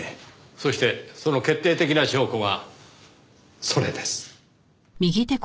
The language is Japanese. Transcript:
そしてその決定的な証拠がそれです。